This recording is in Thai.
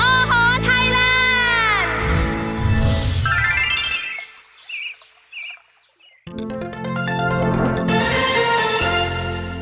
โอ้โหไทยแลนด์